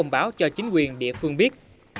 công báo cho chính quyền địa phương biết